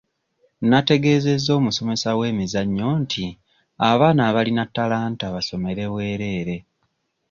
Nategeezezza omusomesa w'emizannyo nti abaana abalina talanta basomere bwereere.